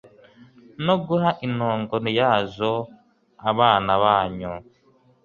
no guha intongo yazo abana banyu